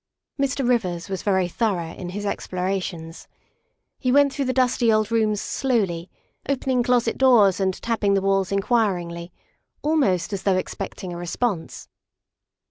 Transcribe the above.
Mr. Rivers was very thorough in his explorations. He went through the dusty old rooms slowly, opening closet doors and tapping the walls inquiringly, almost as though expecting a response.